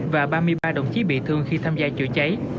và ba mươi ba đồng chí bị thương khi tham gia chữa cháy